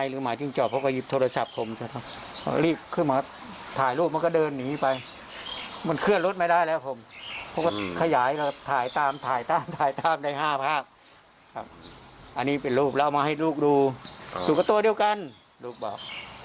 ลูกดูลูกก็ตัวเดียวกันลูกบอก